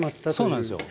そうなんですよ。